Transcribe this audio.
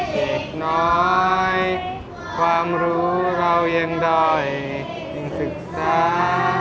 เด็กเอ่ยเด็กน้อยความรู้เรายังดอยยังศึกษา